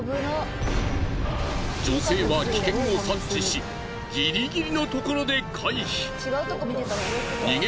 女性は危険を察知しギリギリのところで回避。